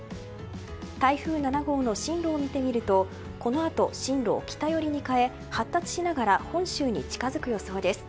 台風７号の進路を見てみるとこのあと進路を北寄りに変え発達しながら本州に近づく予想です。